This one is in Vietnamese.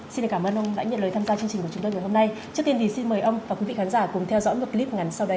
xin cảm ơn ông đã nhận lời tham gia chương trình của chúng tôi ngày hôm nay trước tiên thì xin mời ông và quý vị khán giả cùng theo dõi một clip ngắn sau đây